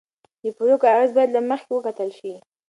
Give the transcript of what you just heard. د پرېکړو اغېز باید له مخکې وکتل شي